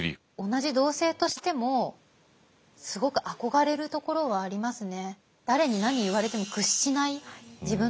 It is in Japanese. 同じ同性としてもすごく憧れるところはありますね。